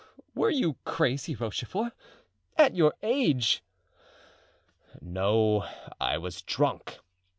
"Were you crazy, Rochefort? at your age!" "No, I was drunk.